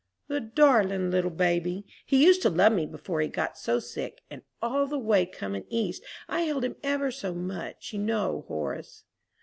"The darling little baby! He used to love me before he got so sick; and all the way coming East I held him ever so much, you know, Horace."